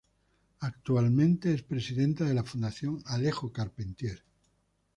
Actualmente es presidenta de la Fundación Alejo Carpentier.